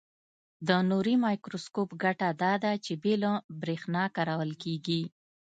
د نوري مایکروسکوپ ګټه داده چې بې له برېښنا کارول کیږي.